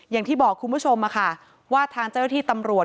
อย่างที่บอกคุณผู้ชมค่ะว่าทางเจ้าหน้าที่ตำรวจ